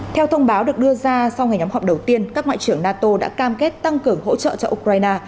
theo thông báo được đưa ra sau ngày nhóm họp đầu tiên các ngoại trưởng nato đã cam kết tăng cường hỗ trợ cho ukraine